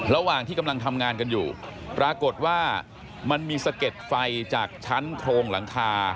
ระหว่างที่กำลังทำงานกันอยู่ปรากฏว่ามันมีสะเก็ดไฟจากชั้นโครงหลังคา